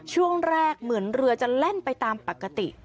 ช่วงแรกเหมือนเรือจะแล่นไปตามปกติ